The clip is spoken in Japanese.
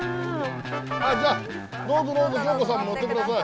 じゃあどうぞどうぞ恭子さんも乗って下さい。